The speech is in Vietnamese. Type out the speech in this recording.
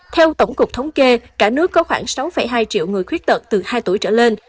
theo tổng cục thống kê cả nước có khoảng sáu hai triệu người khuyết tật từ hai tuổi trở lên